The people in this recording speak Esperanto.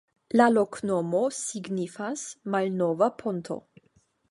La loknomo signifas: malnova ponto.